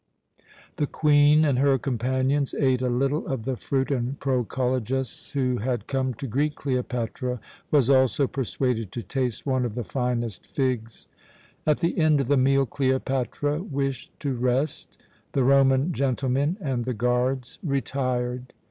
The Queen and her companions ate a little of the fruit, and Proculejus, who had come to greet Cleopatra, was also persuaded to taste one of the finest figs. At the end of the meal Cleopatra wished to rest. The Roman gentlemen and the guards retired.